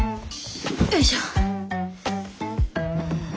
よいしょ。